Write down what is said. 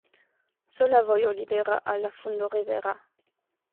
Sola vojo libera al la fundo rivera.